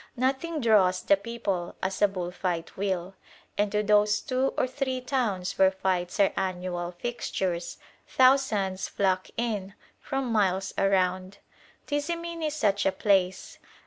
Nothing draws the people as a bull fight will, and to those two or three towns where fights are annual fixtures thousands flock in from miles around. Tizimin is such a place.